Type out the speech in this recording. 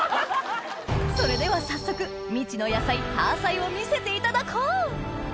それでは早速未知の野菜タアサイを見せていただこう！